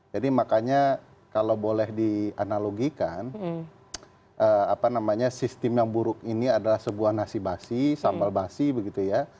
jadi makanya kalau boleh dianalogikan sistem yang buruk ini adalah sebuah nasi basi sambal basi begitu ya